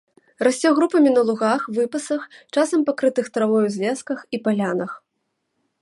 Расце групамі на лугах, выпасах, часам пакрытых травой узлесках і палянах.